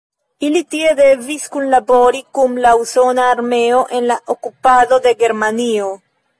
Ili tie devis kunlabori kun la usona armeo en la okupado de Germanio.